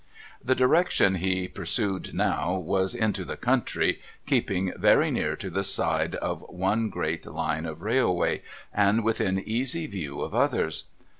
The direction he pursued now was into the country, keeping very near to the side of one great Line of railway, and within easy view of others.